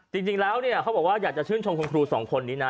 จริงแล้วเนี่ยเขาบอกว่าอยากจะชื่นชมคุณครูสองคนนี้นะ